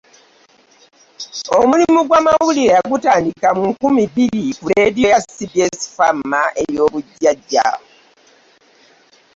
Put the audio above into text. Omulimu gw'amawulire yagutandika mu nkumi bbiri ku leediyo ya CBS Fa ma ey'obujjajja.